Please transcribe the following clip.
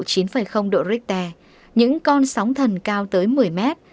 những độ richter những con sóng thần cao tới một mươi mét